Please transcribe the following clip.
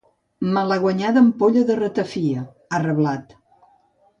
“Malaguanyada ampolla de ratafia”, ha reblat.